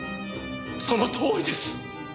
そのとおりです！